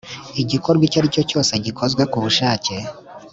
igikorwa icyo ari cyo cyose gikozwe ku bushake